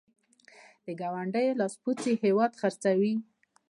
د ګاونډیو لاسپوڅي هېواد خرڅوي.